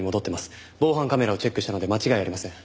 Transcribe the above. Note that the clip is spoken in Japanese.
防犯カメラをチェックしたので間違いありません。